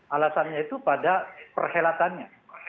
alasannya itu pada perhelatannya